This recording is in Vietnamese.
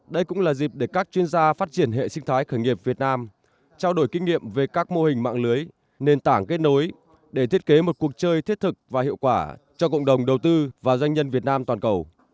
đây cũng là dịp để các chuyên gia phát triển hệ sinh thái khởi nghiệp việt nam trao đổi kinh nghiệm về các mô hình mạng lưới nền tảng kết nối để thiết kế một cuộc chơi thiết thực và hiệu quả cho cộng đồng đầu tư và doanh nhân việt nam toàn cầu